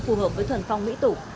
phù hợp với thuần phong mỹ tục